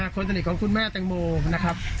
คนสนิทของคุณแม่แตงโมนะครับ